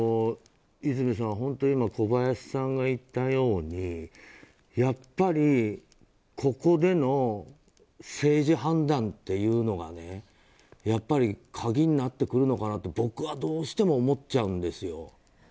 和泉さん小林さんが言ったようにやっぱりここでの政治判断っていうのが鍵になってくるのかなと僕はどうしても思っちゃうんです。